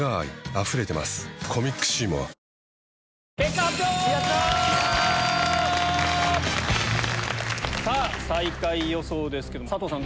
そして最下位予想ですけども佐藤さん